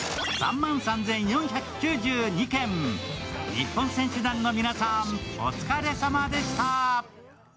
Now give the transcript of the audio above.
日本選手団の皆さん、お疲れさまでした。